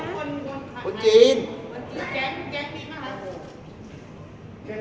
มันเป็นสิ่งที่เราไม่รู้สึกว่า